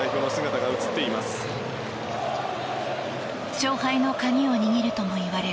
勝敗の鍵を握るともいわれる